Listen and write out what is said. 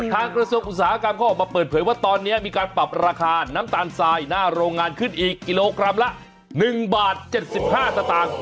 กระทรวงอุตสาหกรรมเขาออกมาเปิดเผยว่าตอนนี้มีการปรับราคาน้ำตาลทรายหน้าโรงงานขึ้นอีกกิโลกรัมละ๑บาท๗๕สตางค์